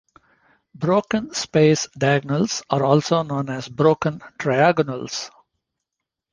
Broken space diagonals are also known as broken triagonals.